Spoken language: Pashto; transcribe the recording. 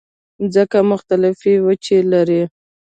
مځکه مختلفې وچې لري.